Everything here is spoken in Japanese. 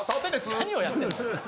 何をやってんだ。